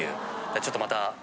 ちょっとまた。